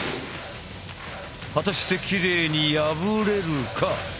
果たしてきれいに破れるか？